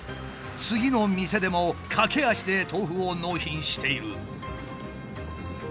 次の店でも駆け足で豆腐を納品している。